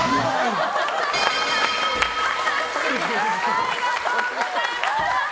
ありがとうございます。